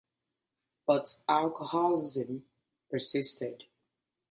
But alcoholism persisted.